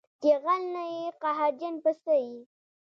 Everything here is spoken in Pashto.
چې غل نه یې قهرجن په څه یې